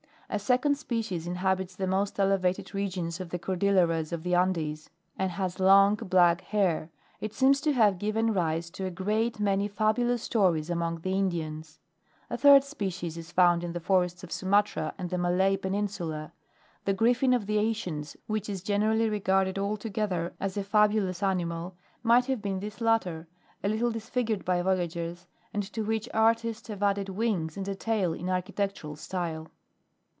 A second species inhabits the most elevated regions of the Cordilleras of the Andes, and has long, black hair ; it seems to have given rise to a great many fabulous stories among the Indians. A third species is found in the forests of Sumatra and the Malay Peninsula. The griffin of the ancients, which is generally regarded altogether as a fabulous animal, might have been this latter, a little disfigured by' voyagers, and to which artists have added wings and a tail in architectural style.